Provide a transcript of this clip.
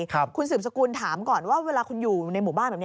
คุณสืบสกุลถามก่อนว่าเวลาคุณอยู่ในหมู่บ้านแบบนี้